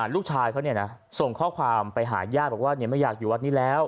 ลูกชายเขาเนี่ยนะส่งข้อความไปหาย่าบอกว่าเนี่ยไม่อยากอยู่วัดนี้แล้ว